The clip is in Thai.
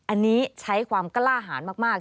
อันนี้ใช้ความกล้าหารมาก